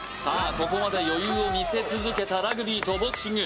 ここまで余裕を見せ続けたラグビーとボクシング